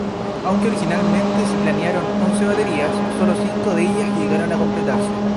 Aunque originalmente se planearon once baterías, sólo cinco de ellas llegaron a completarse.